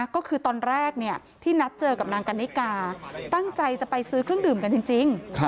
ก็คือตอนแรกที่นัดเจอกับนางกันนิกาตั้งใจจะไปซื้อเครื่องดื่มกันจริง